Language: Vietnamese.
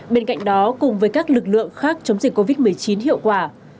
bên cạnh đó cùng với các lực lượng khác chống dịch covid một mươi chín hiệu quả